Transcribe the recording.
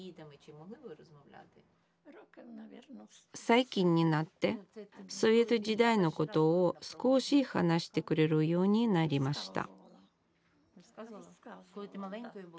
最近になってソビエト時代のことを少し話してくれるようになりました